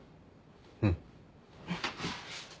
うん。